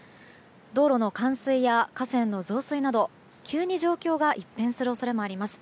道路の冠水や河川の増水など急に状況が一変する恐れもあります。